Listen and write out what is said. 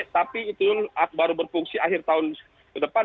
tapi itu baru berfungsi akhir tahun ke depan